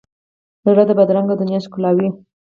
زړه د بدرنګه دنیا ښکلاوي.